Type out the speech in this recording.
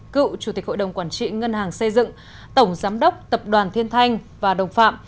cựu chủ tịch hội đồng quản trị ngân hàng xây dựng tổng giám đốc tập đoàn thiên thanh và đồng phạm